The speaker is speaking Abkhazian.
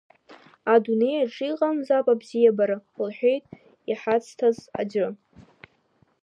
Адунеи аҿы иҟамзаап абзиабара, — лҳәеит иҳацҭаз аӡәы.